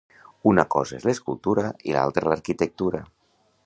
Una cosa és l'escultura i l'altra l'arquitectura.